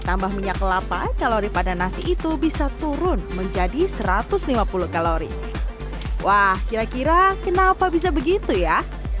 tambah minyak kelapa kalori pada nasi itu bisa turun menjadi satu ratus lima puluh kalori wah kira kira kenapa bisa begitu ya